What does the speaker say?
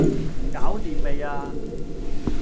搞掂未呀?